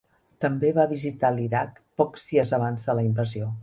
També va visitar l'Iraq pocs dies abans de la invasió.